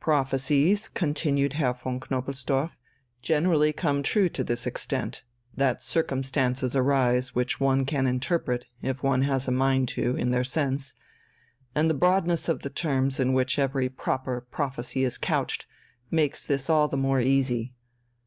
"Prophecies," continued Herr von Knobelsdorff, "generally come true to this extent, that circumstances arise which one can interpret, if one has a mind to, in their sense. And the broadness of the terms in which every proper prophecy is couched makes this all the more easy.